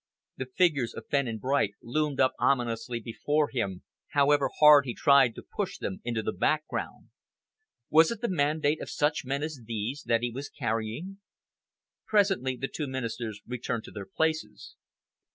The figures of Fenn and Bright loomed up ominously before him, however hard he tried to push them into the background. Was it the mandate of such men as these that he was carrying? Presently the two Ministers returned to their places.